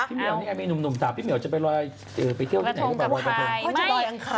พี่เมี๋ยวนี่ก็มีหนุ่มท่าพี่เมี๋ยวจะไปลอยกระทงกับใคร